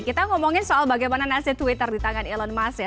kita ngomongin soal bagaimana nasib twitter di tangan elon musk ya